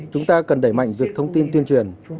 chúng ta cần đẩy mạnh dịch thông tin tuyên truyền